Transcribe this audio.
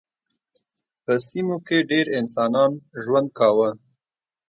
په سیمو کې ډېر انسانان ژوند کاوه.